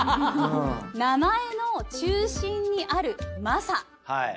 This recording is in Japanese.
名前の中心にある「昌」